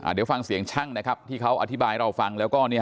เดี๋ยวฟังเสียงช่างนะครับที่เขาอธิบายให้เราฟัง